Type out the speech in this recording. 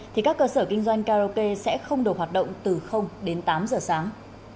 thì các cơ sở kinh doanh karaoke sẽ không được hoạt động từ đến tám giờ sáng